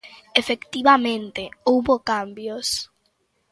Efectivamente, houbo cambios.